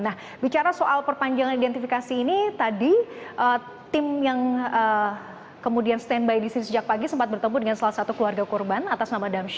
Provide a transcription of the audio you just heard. nah bicara soal perpanjangan identifikasi ini tadi tim yang kemudian standby di sini sejak pagi sempat bertemu dengan salah satu keluarga korban atas nama dams